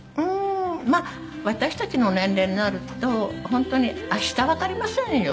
まあ私たちの年齢になると本当に明日わかりませんよ。